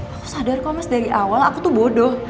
aku sadar kok mas dari awal aku tuh bodoh